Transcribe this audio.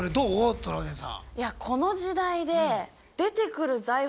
トラウデンさん。